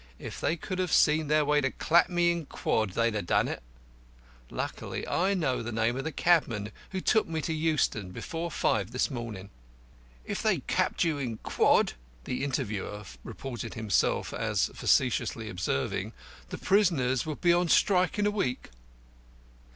If they could have seen their way to clap me in quod, they'd ha' done it. Luckily I know the number of the cabman who took me to Euston before five this morning." "If they clapped you in quod," the interviewer reported himself as facetiously observing, "the prisoners would be on strike in a week."